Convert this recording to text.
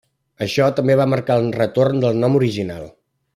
Això també va marcar el retorn del nom original.